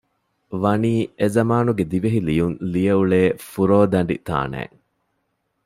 ވަނީ އެ ޒަމާނުގެ ދިވެހި ލިޔުން ލިޔެ އުޅޭ ފުރޯދަނޑި ތާނައިން